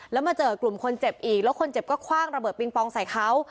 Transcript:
แล้วมาเจอกลุ่มคนเจ็บอีกแล้วคนเจ็บก็คว่างระเบิดปิงปองใส่เขา